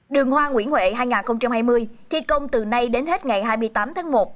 đường hoa nguyễn huệ hai nghìn hai mươi thi công từ nay đến hết ngày hai mươi tám tháng một